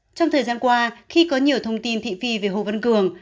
trong thời gian qua khi có nhiều thông tin thị phi về hồ văn cường